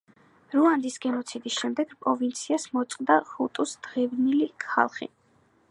რუანდის გენოციდის შემდეგ პროვინციას მოაწყდა ჰუტუს დევნილი ხალხი.